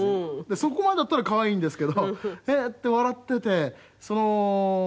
そこまでだったら可愛いんですけどヘヘッ！って笑っててそのおばさんなりがね